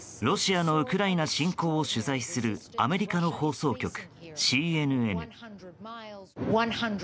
ロシアのウクライナ侵攻を取材するアメリカの放送局ＣＮＮ。